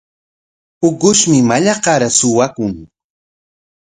Ukushmi mallaqnar suwakun.